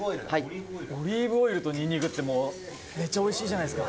宮田：オリーブオイルとニンニクってめっちゃおいしいじゃないですか。